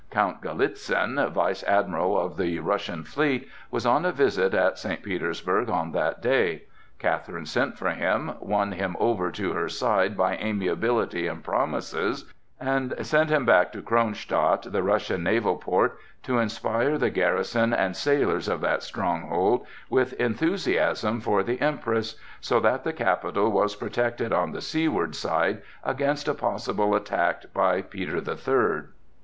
Count Galitzin, vice admiral of the Russian fleet, was on a visit at St. Petersburg on that day. Catherine sent for him, won him over to her side by amiability and promises, and sent him back to Kronstadt, the Russian naval port, to inspire the garrison and sailors of that stronghold with enthusiasm for the Empress,—so that the capital was protected on the seaward side against a possible attack by Peter the Third.